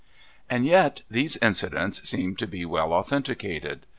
And yet these incidents seem to be well authenticated.